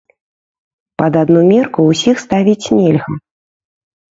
Пад адну мерку ўсіх ставіць нельга.